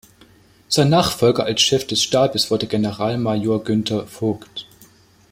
Sein Nachfolger als Chef des Stabes wurde Generalmajor Günter Voigt.